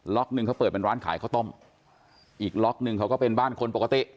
็อกนึงเขาเปิดเป็นร้านขายข้าวต้มอีกล็อกหนึ่งเขาก็เป็นบ้านคนปกติ